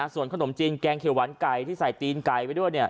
ส่วนขนมจีนแกงเขียวหวานไก่ที่ใส่ตีนไก่ไปด้วย